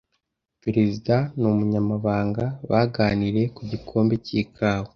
Perezida n'umunyamabanga baganiriye ku gikombe cy'ikawa.